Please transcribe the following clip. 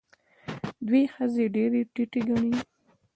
دوی ښځې ډېرې ټیټې ګڼي.